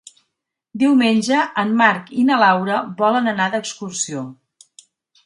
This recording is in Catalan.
Diumenge en Marc i na Laura volen anar d'excursió.